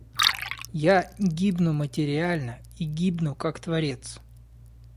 Я гибну материально и гибну как творец.